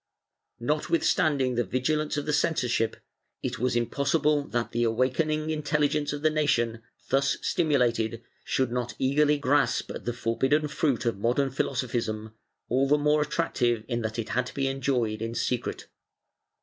Notwithstanding the vigilance of the censorship, it was impossible that the awakening intelligence of the nation, thus stimulated, should not eagerly grasp at the forbidden fruit of modern philosophism, all the more attractive in that it had to be enjoyed in secret.